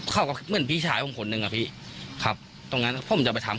คือที่พระออสพยายามอ้อมให้เข้ามา